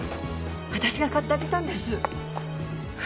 私が買ってあげたんです。